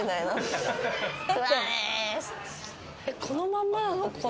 このまんまなの？